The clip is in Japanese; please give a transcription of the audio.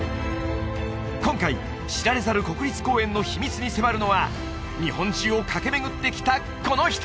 今回知られざる国立公園の秘密に迫るのは日本中を駆け巡ってきたこの人！